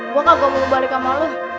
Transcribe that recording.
gue gak mau balik sama lo